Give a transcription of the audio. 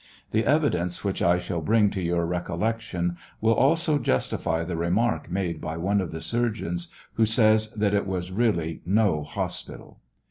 The evidence which I shall bring to your recollection will also justify the remark made by one of the surgeons, who says that it was really no hospital.